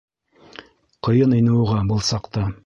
Ҡыйын ине уға был саҡта.